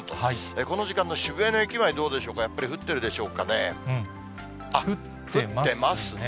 この時間の渋谷の駅前、どうでしょうか、やっぱり降ってるでしょ降ってますね。